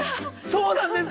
そうなんです。